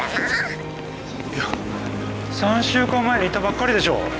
いや３週間前に行ったばっかりでしょ。